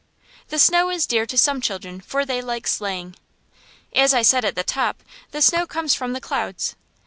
The snow is dear to some children for they like sleighing. As I said at the top the snow comes from the clouds.